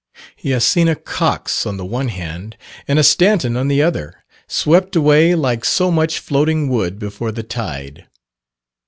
He has seen a Cox on the one hand, and a Stanton on the other, swept away like so much floating wood before the tide.